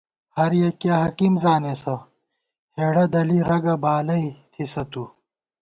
ہریَکِیہ حکیم زانېسہ ، ہېڑہ دَلی رگہ بالَئ تھِسہ تُو